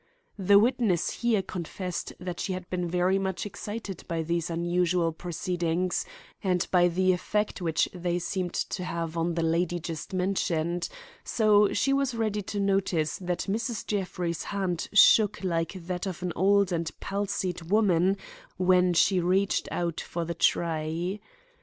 The witness here confessed that she had been very much excited by these unusual proceedings and by the effect which they seemed to have on the lady just mentioned; so she was ready to notice that Mrs. Jeffrey's hand shook like that of an old and palsied woman when she reached out for the tray.